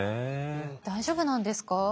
大丈夫なんですか？